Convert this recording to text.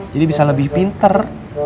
jadi bisa lebih pinter